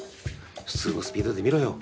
普通のスピードで見ろよ。